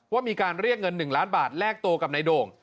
ว่ามีการเรียกเงิน๑ล้านบาทแลกตัวกับนายโด่ง